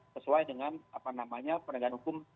sesuai dengan penegahan hukum